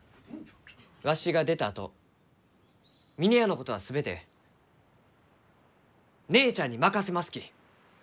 わしが出たあと峰屋のことは全て姉ちゃんに任せますき。